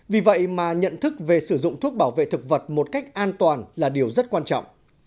vì vậy mà nhận thức về sử dụng thuốc bảo vệ thực vật một cách an toàn là điều rất quan trọng